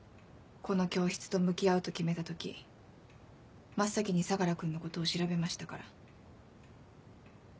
この教室と向き合うと決めた時真っ先に相楽君のことを調べましたから。